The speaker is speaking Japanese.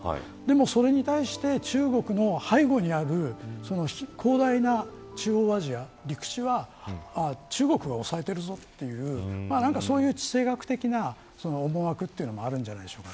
それに対して中国の背後にある広大な中央アジア、陸地は中国が押さえているぞというそういう地政学的な思惑というのがあるんじゃないでしょうか。